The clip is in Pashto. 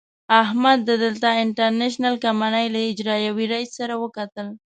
احمد د دلتا انټرنشنل کمينۍ له اجرائیوي رئیس سره وکتل.